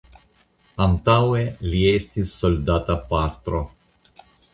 Antaŭe li estis soldata pastro.